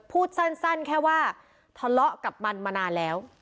พูดสั้นแค่ว่าทะเลาะกับมันมานานแล้ว